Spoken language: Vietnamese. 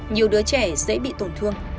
nhiều đứa trẻ dễ bị tổn thương